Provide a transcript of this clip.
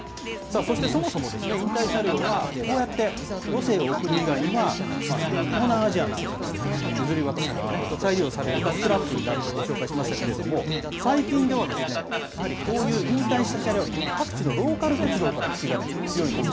そして、そもそも引退車両は、こうやって余生を送る以外には、東南アジアなんかで譲り渡されて再利用されるか、スクラップになると、ご紹介しましたけれども、最近では、やはり、こういう引退した車両、各地のローカル鉄道から引きが強いんです。